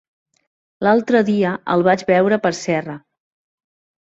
L'altre dia el vaig veure per Serra.